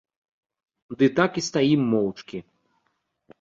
Ды так і стаім моўчкі.